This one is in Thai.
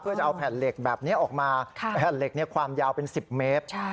เพื่อจะเอาแผ่นเหล็กแบบนี้ออกมาแผ่นเหล็กความยาวเป็น๑๐เมตร